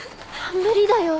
無理だよ。